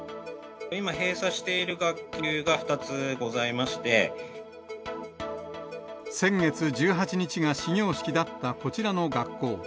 今閉鎖している学級が２つご先月１８日が始業式だったこちらの学校。